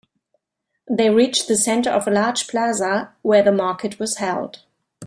They reached the center of a large plaza where the market was held.